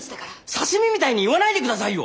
刺身みたいに言わないで下さいよ！